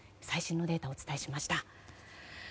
最新のデータをお伝えしました。